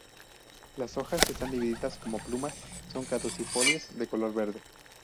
Las hojas están divididas como plumas, son caducifolias de color verde.